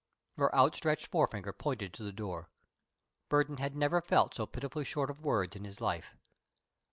Her outstretched forefinger pointed to the door. Burton had never felt so pitifully short of words in his life.